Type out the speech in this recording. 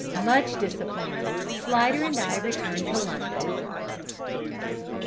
Much disappointed, Slidder and I returned to London.